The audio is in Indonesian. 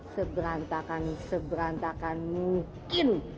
seberantakan seberantakan mungkin